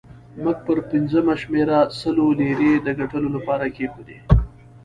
موږ پر پنځمه شمېره سلو لیرې د ګټلو لپاره کېښودې.